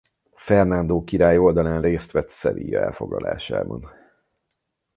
Fernando király oldalán részt vett Sevilla elfoglalásában.